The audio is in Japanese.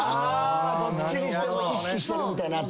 どっちにしても意識してるみたいなって。